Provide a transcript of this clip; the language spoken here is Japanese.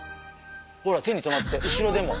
ほら手にとまって後ろでも。